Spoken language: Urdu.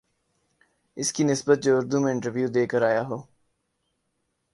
اس کی نسبت جو اردو میں انٹرویو دے کر آ یا ہو